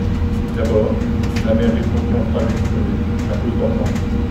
D'abord, la mère répondit en phrases expurgées, à cause d'Hortense.